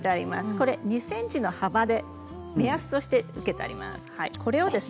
これは２ｃｍの幅で目安として設けてあります。